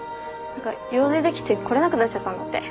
用事できて来れなくなっちゃったんだって。